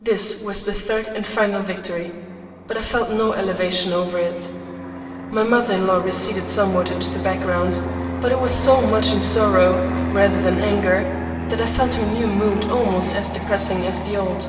This was the third and final victory, but I felt no elation over it. My mother in law receded somewhat into the background, but it was so much in sorrow, rather than anger, that I felt her new mood almost as depressing as the old.